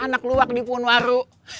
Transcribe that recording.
anak luwak di pun waru